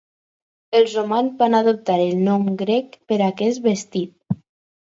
Els romans van adoptar el nom grec per aquest vestit.